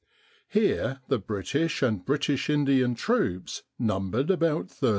Here the British and British Indian troops numbered about 13,000.